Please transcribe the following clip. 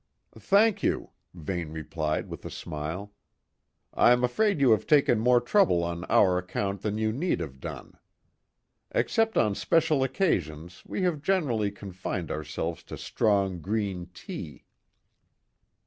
"Thank you," Vane replied with a smile. "I'm afraid you have taken more trouble on our account than you need have done. Except on special occasions we have generally confined ourselves to strong green tea."